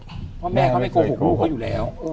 เพราะแม่เขาไม่โกหกลูกเขาอยู่แล้ว